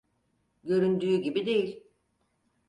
Göründüğü gibi değil.